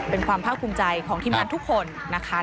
เป็นความพระคุมใจของทีมนานทุกคนนะคะ